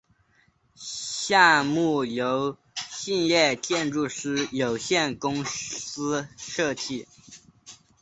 项目由兴业建筑师有限公司设计。